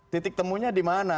titik temunya di mana